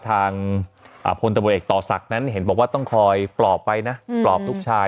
ทางพลตำรวจเอกต่อศักดิ์นั้นเห็นบอกว่าต้องคอยปลอบไปนะปลอบลูกชาย